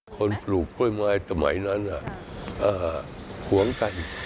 ปลูกกล้วยไม้สมัยนั้นหวงกัน